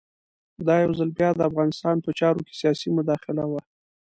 دا یو ځل بیا د افغانستان په چارو کې سیاسي مداخله وه.